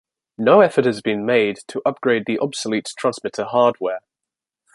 No effort has been made to upgrade the obsolete transmitter hardware.